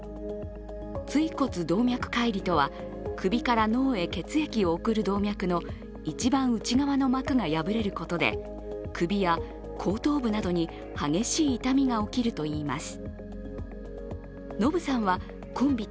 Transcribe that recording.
椎骨動脈解離とは首から脳へ血液を送る動脈の一番内側の膜が破れることで首や後頭部などに激しい痛みが起きるといいます。